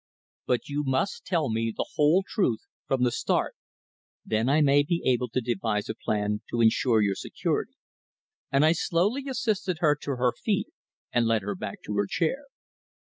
But you must tell me the whole truth from the start. Then I may be able to devise a plan to ensure your security." And I slowly assisted her to her feet and led her back to her chair.